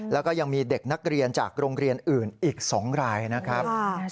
แล้วก็ยังมีเด็กนักเรียนจากโรงเรียนอื่นอีก๒รายนะครับ